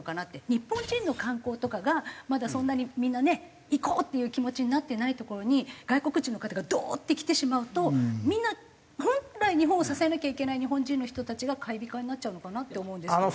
日本人の観光とかがまだそんなにみんなね行こうっていう気持ちになってないところに外国人の方がドッて来てしまうとみんな本来日本を支えなきゃいけない日本人の人たちが買い控えになっちゃうのかなって思うんですけど。